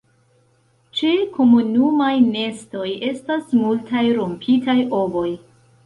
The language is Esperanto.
Ĉe komunumaj nestoj estas multaj rompitaj ovoj.